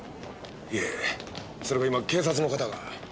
いえそれが今警察の方が。